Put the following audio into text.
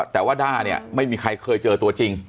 แต่ว่าด้าเนี่ยไม่มีใครเคยเจอตัวจริง